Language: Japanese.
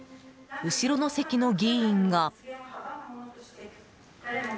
後ろの席の議員が。